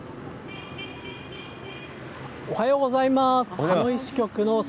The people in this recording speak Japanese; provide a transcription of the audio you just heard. おはようございます。